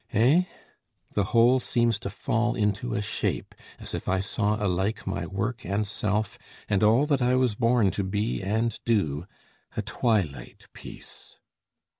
Eh? the whole seems to fall into a shape, As if I saw alike my work and self And all that I was born to be and do, A twilight piece.